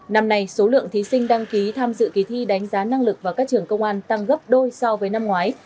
năm nay số lượng thí sinh đăng ký tham dự kỳ thi đánh giá năng lực vào các trường công an tăng gấp đôi so với năm ngoái